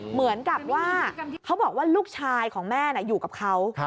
เหมือนกับว่าเขาบอกว่าลูกชายของแม่อยู่กับเขา